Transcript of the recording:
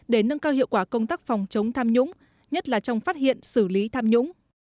để nâng cao hiệu quả công tác phòng chống tham nhũng nhất là trong phát hiện xử lý tham nhũng